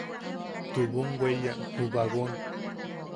Tubum weyan ju bagon.